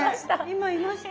いました。